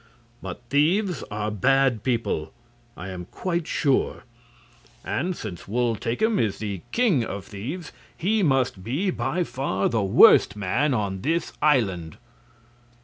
But thieves are bad people, I am quite sure, and since Wul Takim is the king of thieves he must be by far the worst man on this island."